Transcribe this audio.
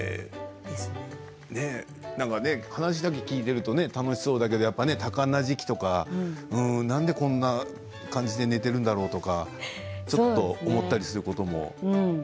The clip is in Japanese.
話だけ聞いていると楽しそうだけど、多感な時期とかなんでこんな感じで寝ているんだろうとかちょっと思ったりすることも？